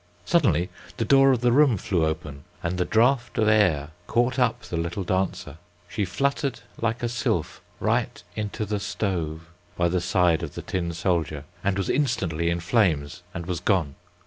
Suddenly the door of the room flew open and the draught of air caught up the little dancer, she fluttered like a sylph right into the stove by the side of the tin soldier, and was instantly in flames and was gone.